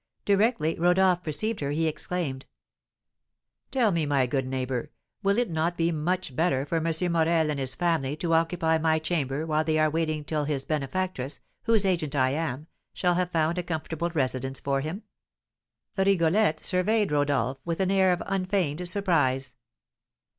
Directly Rodolph perceived her, he exclaimed: "Tell me, my good neighbour, will it not be much better for M. Morel and his family to occupy my chamber while they are waiting till his benefactress, whose agent I am, shall have found a comfortable residence for him?" Rigolette surveyed Rodolph with an air of unfeigned surprise.